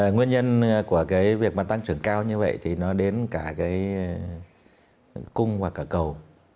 nguyên nhân của việc tăng trưởng cao như vậy thì đến cả cung và cả cầu